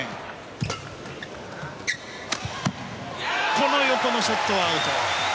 このショットはアウト。